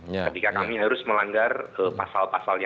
ketika kami harus melanggar pasal pasalnya